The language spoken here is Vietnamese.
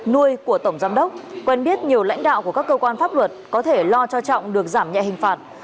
nuôi của tổng giám đốc quen biết nhiều lãnh đạo của các cơ quan pháp luật có thể lo cho trọng được giảm nhẹ hình phạt